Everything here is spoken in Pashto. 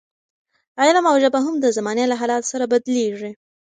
علم او ژبه هم د زمانې له حالاتو سره بدلېږي.